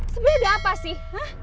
sebelah ada apa sih